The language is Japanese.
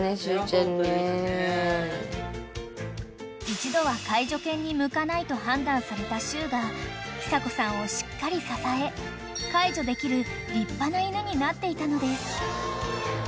［一度は介助犬に向かないと判断されたしゅうが久子さんをしっかり支え介助できる立派な犬になっていたのです］